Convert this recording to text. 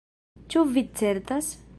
Ĉu vi certas?